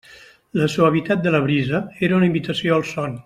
La suavitat de la brisa era una invitació al son.